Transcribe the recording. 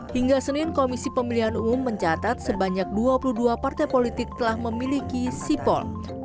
hingga senin komisi pemilihan umum mencatat sebanyak dua puluh dua partai politik telah memiliki sipol